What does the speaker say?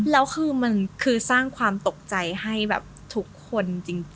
แล้วคือมันคือสร้างความตกใจให้แบบทุกคนจริง